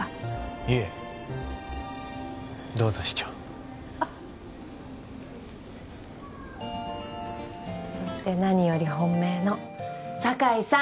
いえどうぞ師長そして何より本命の酒井さん